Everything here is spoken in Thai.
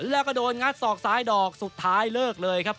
แล้วก็โดนงัดศอกซ้ายดอกสุดท้ายเลิกเลยครับ